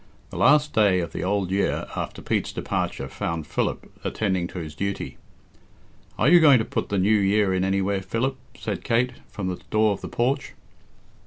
The last day of the old year after Pete's departure found Philip attending to his duty. "Are you going to put the new year in anywhere, Philip?" said Kate, from the door of the porch.